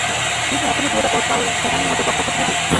তুই কি এখন পুরোটা পথ কার্ল স্যাগানের মতো পকপক করতে থাকবি?